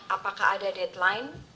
apakah ada deadline